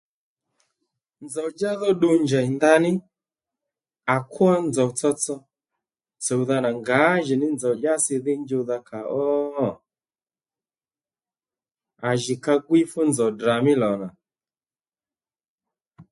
Nzòw-djá dhó ddu njèy ndaní à kwo nzòw tsotso tsùwdha nà ngǎjìní ì dyási dhí njuwdha kàó? À jì ka gwíy fú nzòw Ddrà mí lò nà